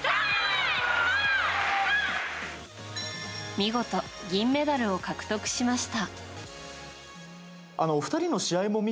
見事、銀メダルを獲得しました。